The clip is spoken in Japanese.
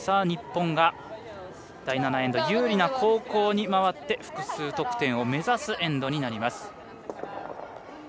日本が第７エンド有利な後攻に回って複数得点を目指すエンドになります。